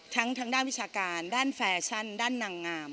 ทางด้านวิชาการด้านแฟชั่นด้านนางงาม